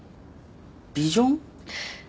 ビジョン？